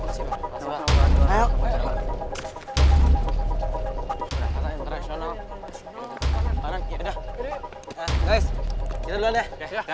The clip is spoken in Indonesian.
guys kita dulu deh